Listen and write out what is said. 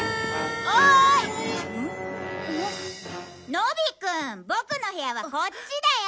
野比くんボクの部屋はこっちだよ！